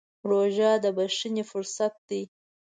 روژه د بښنې فرصت دی.